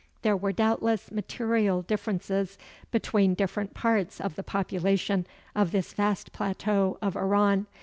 There were doubtless material differences between different parts of the population of this vast plateau of Iran.